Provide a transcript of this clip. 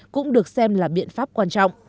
cũng được xem là biện pháp quan trọng